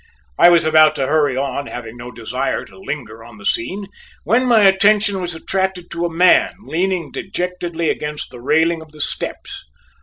I was about to hurry on, having no desire to linger on the scene, when my attention was attracted to a man leaning dejectedly against the railing of the steps.